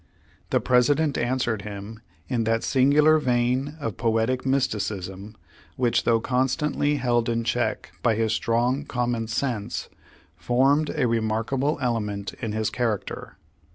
The President answered him in that singular vein of poetic mysticism, which though constantly held in check by his strong com mon sense, formed a remarkable element in his character.